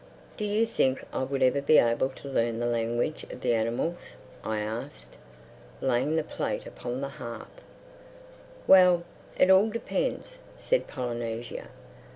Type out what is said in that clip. "Do you think I would ever be able to learn the language of the animals?" I asked, laying the plate upon the hearth. "Well, it all depends," said Polynesia.